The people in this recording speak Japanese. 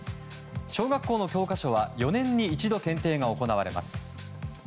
小学校の教科書は４年に一度、検定が行われます。